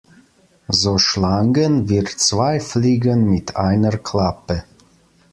So schlagen wir zwei Fliegen mit einer Klappe.